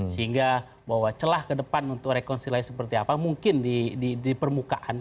sehingga bahwa celah ke depan untuk rekonsiliasi seperti apa mungkin di permukaan